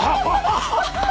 ハハハ。